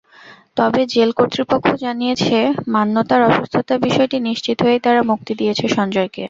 তবে জেল কর্তৃপক্ষ জানিয়েছে, মান্যতার অসুস্থতার বিষয়টি নিশ্চিত হয়েই তারা মুক্তি দিয়েছে সঞ্জয়কে।